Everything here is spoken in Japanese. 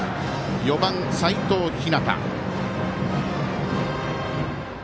４番、齋藤陽。